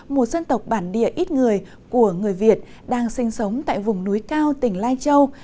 một dân tộc bản địa ít người của người việt đang sinh sống tại vùng núi cao tỉnh lai châu